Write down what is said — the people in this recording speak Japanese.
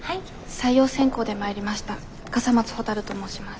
採用選考で参りました笠松ほたると申します。